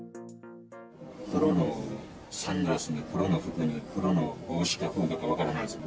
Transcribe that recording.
黒のサングラスに黒の服に黒の帽子かフードか分からないです。